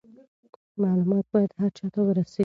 معلومات باید هر چا ته ورسیږي.